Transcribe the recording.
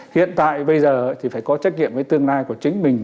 hiện tại bây giờ thì phải có trách nhiệm với tương lai của chính mình